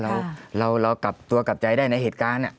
เรากลับตัวกลับใจได้ในเหตุการณ์